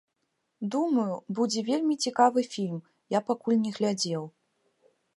Думаю, будзе вельмі цікавы фільм, я пакуль не глядзеў.